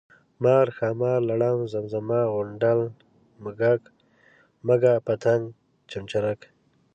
مار، ښامار ، لړم، زمزه، غونډل، منږک ، مږه، پتنګ ، چمچرک،